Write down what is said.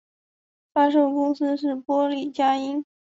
发售公司是波丽佳音。